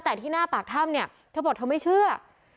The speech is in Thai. แต่ที่หน้าปากธรรมเธอบอกเธอไม่เชื่อ